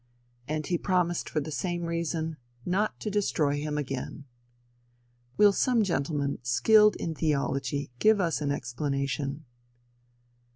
And he promised for the same reason not to destroy him again. Will some gentleman skilled in theology give us an explanation?